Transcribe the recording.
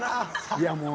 いやもう。